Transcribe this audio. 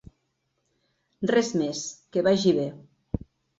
Res més, que vagi bé.